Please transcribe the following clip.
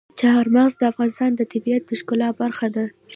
چار مغز د افغانستان د طبیعت د ښکلا برخه ده.